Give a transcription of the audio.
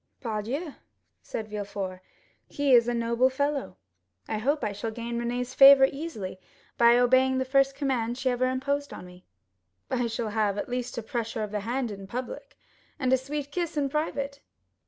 "Pardieu!" said Villefort, "he is a noble fellow. I hope I shall gain Renée's favor easily by obeying the first command she ever imposed on me. I shall have at least a pressure of the hand in public, and a sweet kiss in private."